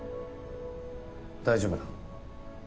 大丈夫だ。